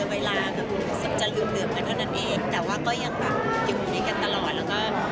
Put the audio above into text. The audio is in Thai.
เวลาก็อยู่ในการเจอกันทุกวัน